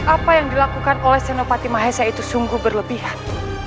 apa yang dilakukan oleh sinovati mahesa itu sungguh berlebihan